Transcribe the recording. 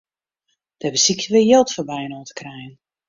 Dêr besykje we jild foar byinoar te krijen.